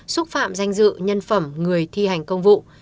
xúc phạm danh dự nhân phẩm người thi hành công vụ